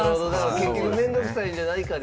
結局面倒くさいんじゃないかで。